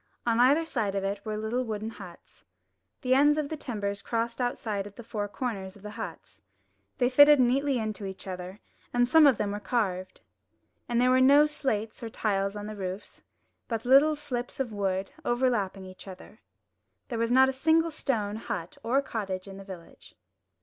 On either side of it were little wooden huts. The ends of the timbers crossed outside at the four corners of the huts. They fitted neatly into each other, and some of them were carved. And there were no slates or tiles on the roofs, but little thin slips of wood over lapping each other. There was not a single stone hut or cottage in the village.